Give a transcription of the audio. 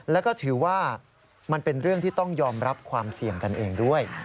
แล้วก็ถือว่ามันเป็นเรื่องที่ต้องยอมรับความเสี่ยงกันเองด้วย